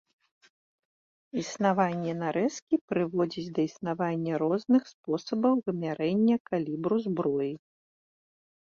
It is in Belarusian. Існаванне нарэзкі прыводзіць да існавання розных спосабаў вымярэння калібру зброі.